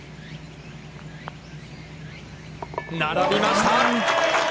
並びました！